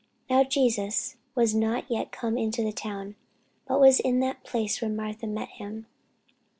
Now Jesus was not yet come into the town, but was in that place where Martha met him.